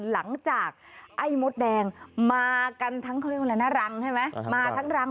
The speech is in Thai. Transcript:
ไอ้มดแดงมากันทั้งเขาเรียกว่าอะไรนะรังใช่ไหมมาทั้งรัง